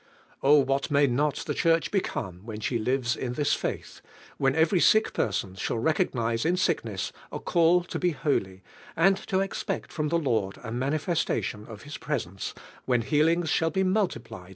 O what msiy not the Church become when she lives in this fail h. when every sick person shall recognise in sh kness a rail to be holy, anil to expect from the Lord a manifestation of Ilis presence, when healings shall be multiple